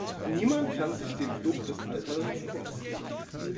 Niemand kann sich dem Fluch des Alterns entziehen.